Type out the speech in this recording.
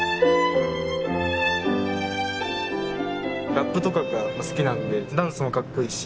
ラップとかが好きなんでダンスもかっこいいし。